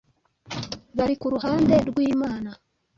bari ku ruhande rw’Imana,